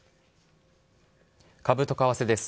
株と為替です。